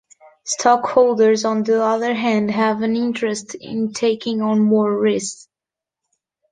Stockholders on the other hand have an interest in taking on more risk.